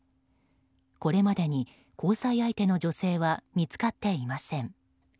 これまでに交際相手の女性は見つかっていません。